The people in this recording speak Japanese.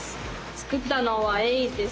作ったのはエイです。